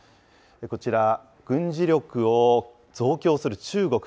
こちら、軍事力を増強する中国。